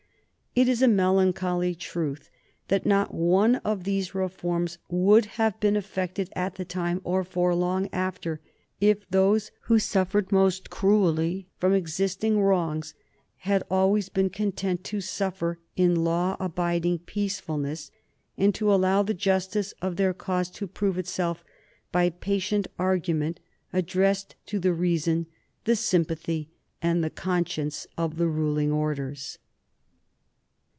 It is a melancholy truth that not one of these reforms would have been effected at the time or for long after if those who suffered most cruelly from existing wrongs had always been content to suffer in law abiding peacefulness, and to allow the justice of their cause to prove itself by patient argument addressed to the reason, the sympathy, and the conscience of the ruling orders.